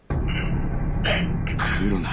来るな